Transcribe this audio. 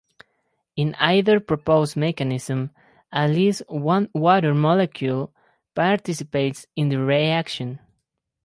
In either proposed mechanism, at least one water molecule participates in the reaction.